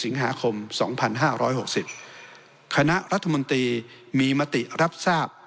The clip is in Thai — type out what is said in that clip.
นาคมสองพันห้าร้อยหกสิบคณะรัฐมนตรีมีมติรับทราบ